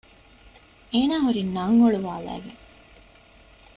އޭނާ ހުރީ ނަން އޮޅުވާލައިގެން